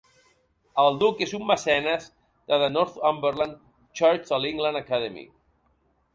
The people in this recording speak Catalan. El duc és un mecenes de The Northumberland Church de l'England Academy.